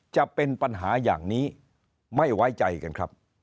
จะเป็นปัญหาอย่างนี้ไม่ไว้ใจกันครับ